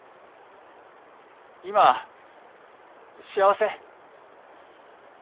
今幸せ？